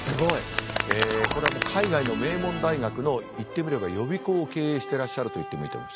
これは海外の名門大学の言ってみれば予備校を経営してらっしゃると言ってもいいと思いますね。